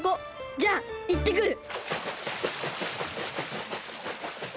じゃいってくる！